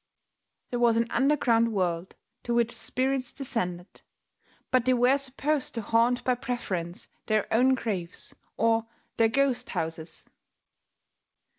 There was an underground world to which spirits descended; but they were supposed to haunt by preference their own graves, or their "ghost houses."